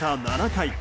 ７回。